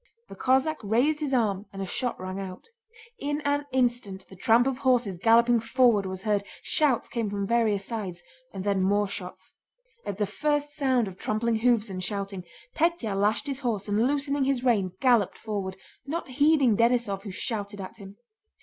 The Cossack raised his arm and a shot rang out. In an instant the tramp of horses galloping forward was heard, shouts came from various sides, and then more shots. At the first sound of trampling hoofs and shouting, Pétya lashed his horse and loosening his rein galloped forward, not heeding Denísov who shouted at him.